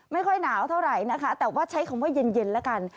ไม่ค่อยหนาวเท่าไหร่นะคะแต่ว่าใช้คำว่าเย็นแล้วกัน